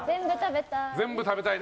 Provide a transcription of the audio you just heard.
全部食べたい。